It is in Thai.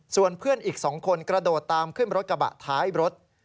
ส่วนเพื่อนอีก๒คนกระโดดตามขึ้นรถกระบะท้ายรถ